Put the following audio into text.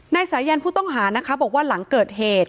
สายันผู้ต้องหานะคะบอกว่าหลังเกิดเหตุ